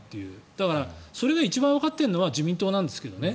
だからそれが一番わかっているのは自民党なんですけどね。